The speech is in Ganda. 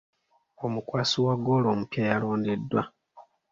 Omukwasi wa ggoolo omupya yalondeddwa.